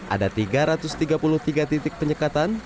ada tiga ratus tiga puluh tiga titik penyekatan